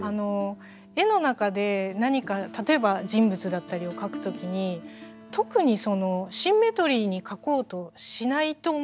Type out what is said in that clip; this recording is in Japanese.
絵の中で何か例えば人物だったりを描く時に特にシンメトリーに描こうとしないと思うんですよ。